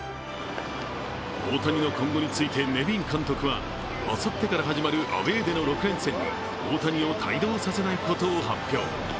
大谷の今後について、ネビン監督はあさってから始まるアウェーでの６連戦に大谷を帯同させないことを発表。